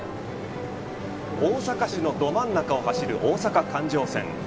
大阪市のど真ん中を走る大阪環状線。